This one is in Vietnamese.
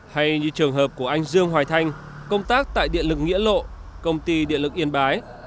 hay như trường hợp của anh dương hoài thanh công tác tại điện lực nghĩa lộ công ty điện lực yên bái